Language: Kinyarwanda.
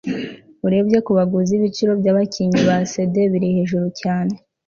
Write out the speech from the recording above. urebye kubaguzi, ibiciro byabakinnyi ba cd biri hejuru cyane